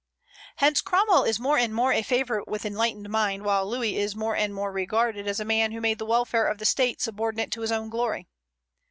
Hence Cromwell is more and more a favorite with enlightened minds, while Louis is more and more regarded as a man who made the welfare of the State subordinate to his own glory.